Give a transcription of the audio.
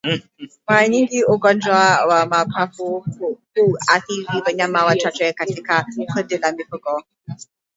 Mara nyingi ugonjwa wa mapafu huathiri wanyama wachache katika kundi la mifugo